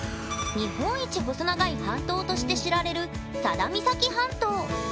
日本一細長い半島として知られる佐田岬半島。